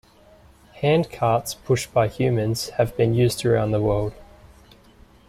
Hand-carts pushed by humans have been used around the world.